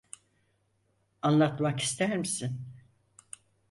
Anlatmak ister misin?